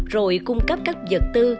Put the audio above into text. rồi cung cấp các vật tư